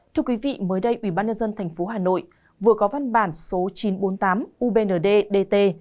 thưa quý vị mới đây ubnd tp hà nội vừa có văn bản số chín trăm bốn mươi tám ubnd dt